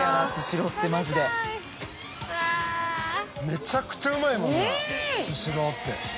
めちゃくちゃうまいもんなスシローって。